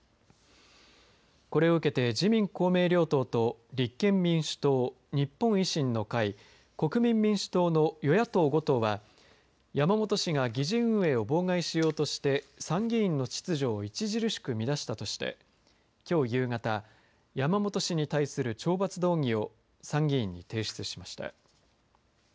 これを受けて自民・公明両党と立憲民主党、日本維新の会国民民主党の与野党５党は山本氏が議事運営を妨害しようとして参議院の秩序を著しく乱したとしてきょう夕方山本氏に対する懲罰動議を参議院に提出しました。